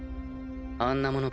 あんなもの